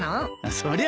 そりゃ